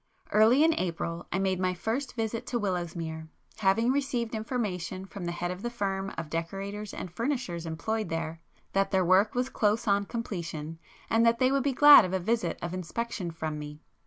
Early in April I made my first visit to Willowsmere, having received information from the head of the firm of decorators and furnishers employed there, that their work was close on completion, and that they would be glad of a visit of inspection from me.